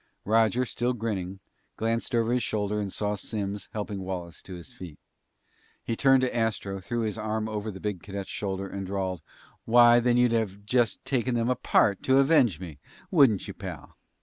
Roger, still grinning, glanced over his shoulder and saw Simms helping Wallace to his feet. He turned to Astro, threw his arm over the big cadet's shoulder, and drawled, "Why, then you'd have just taken them apart to avenge me! Wouldn't you, pal?"